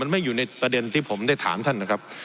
ไม่อยู่ในประเด็นที่ผมได้ถามท่านนะครับ